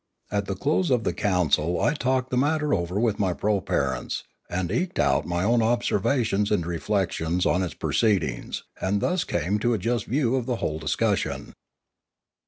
At the close of the council I talked the matter over with my proparents, and eked out my own observations and re flections on its proceedings and thus came to a just view of the whole discussion.